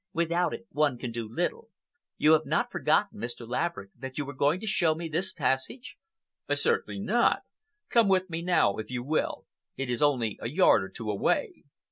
Without it one can do little. You have not forgotten, Mr. Laverick, that you were going to show me this passage?" "Certainly not. Come with me now, if you will. It is only a yard or two away."